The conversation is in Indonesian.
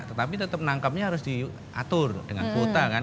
tetapi tetap menangkapnya harus diatur dengan kuota kan